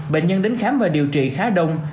bệnh nhân đến khám và điều trị khá đông